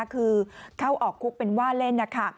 คือเข้าออกคุกเป็นว่าเล่นนะคะ